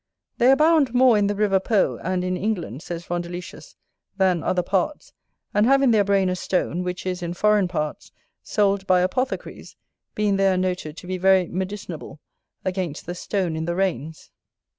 They abound more in the river Po, and in England, says Rondeletius, than other parts: and have in their brain a stone, which is, in foreign parts, sold by apothecaries, being there noted to be very medicinable against the stone in the reins.